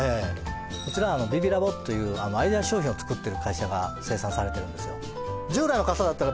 こちらＢＩＢＩＬＡＢというアイデア商品を作ってる会社が生産されてるんですよ